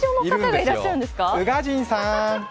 宇賀神さん！